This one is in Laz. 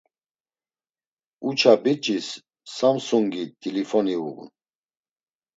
Uça biç̌is Samsungi t̆ilifoni uğun.